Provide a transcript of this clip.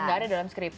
gak ada dalam script